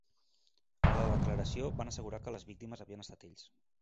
En la declaració van assegurar que les víctimes havien estat ells.